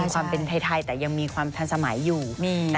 ความเป็นไทยแต่ยังมีความทันสมัยอยู่